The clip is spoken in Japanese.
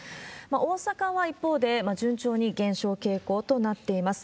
大阪は一方で、順調に減少傾向となっています。